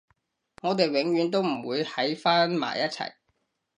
我哋永遠都唔會喺返埋一齊